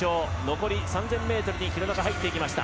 残り３０００ｍに廣中、入っていきました。